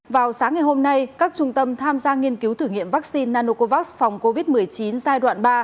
vào sáng ngày hôm nay các trung tâm tham gia nghiên cứu thử nghiệm vaccine nanocovax phòng covid một mươi chín giai đoạn ba